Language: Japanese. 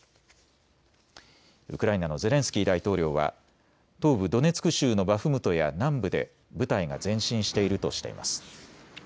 ウクライナのゼレンスキー大統領は東部ドネツク州のバフムトや南部で部隊が前進しているとしています。